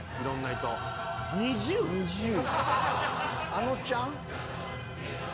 あのちゃん。